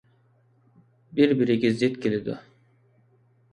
بىر - بىرىگە زىت كېلىدۇ.